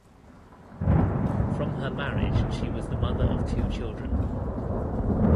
From her marriage she was the mother of two children.